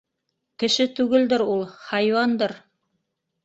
Кеше түгелдер ул, хайуандыр...